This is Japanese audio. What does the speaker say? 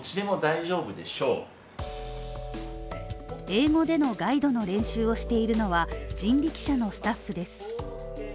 英語でのガイドの練習をしているのは人力車のスタッフです。